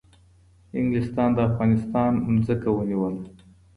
انگلیسان د افغانستان ځمکه ونیوله